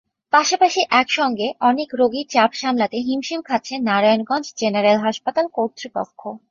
পাশাপাশি একসঙ্গে অনেক রোগীর চাপ সামলাতে হিমশিম খাচ্ছে নারায়ণগঞ্জ জেনারেল হাসপাতাল কর্তৃপক্ষ।